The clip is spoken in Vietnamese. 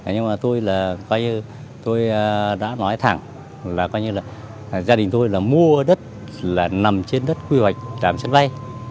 nhưng mà tôi đã nói thẳng là gia đình tôi là mua đất là nằm trên đất quy hoạch đảm sân bay